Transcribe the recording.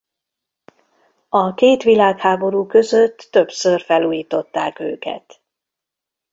A két világháború között többször felújították őket.